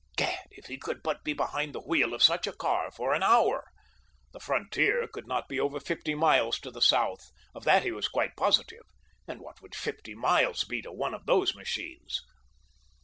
Gad! If he could but be behind the wheel of such a car for an hour! The frontier could not be over fifty miles to the south, of that he was quite positive; and what would fifty miles be to one of those machines?